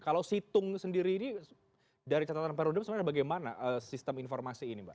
kalau situng sendiri ini dari catatan periode sebenarnya bagaimana sistem informasi ini mbak